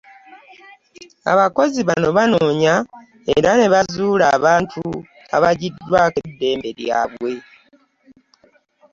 Abakozi bano baanoonya era ne bazuula abantu abaggyiddwako eddembe lyabwe.